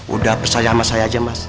udah percaya sama saya aja mas